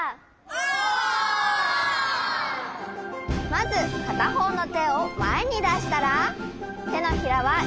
まずかたほうのてをまえにだしたらてのひらはジャンケンのパー。